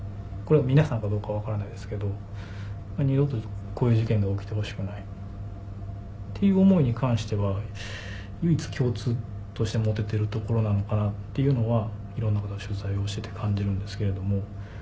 皆さんかどうかは分からないですけど２度とこういう事件が起きてほしくないっていう思いに関しては唯一共通として持ててるところなのかなっていうのはいろんな方取材をしてて感じるんですけれども。